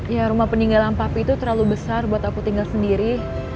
ya rumah peninggalan papi itu terlalu besar buat aku tinggal sendiri